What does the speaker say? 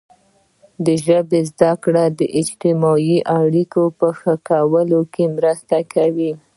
د ژبې زده کړه د اجتماعي اړیکو په ښه کولو کې مرسته کوي.